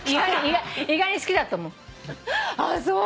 意外に好きだと思う。